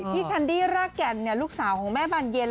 แคนดี้รากแก่นลูกสาวของแม่บานเย็น